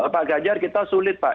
pak ganjar kita sulit pak